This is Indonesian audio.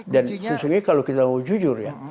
dan sesungguhnya kalau kita mau jujur ya